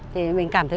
thì mình cảm thấy